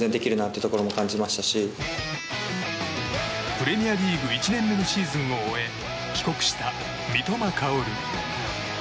プレミアリーグ１年目のシーズンを終え帰国した三笘薫。